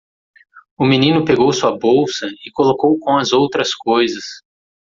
O menino pegou sua bolsa e colocou com as outras coisas.